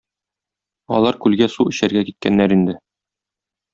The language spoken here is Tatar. Алар күлгә су эчәргә киткәннәр инде.